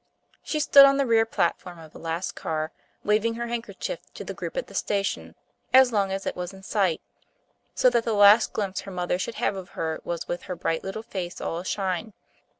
She stood on the rear platform of the last car, waving her handkerchief to the group at the station as long as it was in sight, so that the last glimpse her mother should have of her, was with her bright little face all ashine.